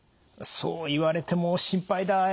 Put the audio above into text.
そう言われても心配だ